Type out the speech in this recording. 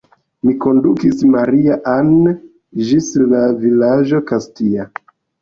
Mi kondukis Maria-Ann ĝis la vilaĝo Kastia.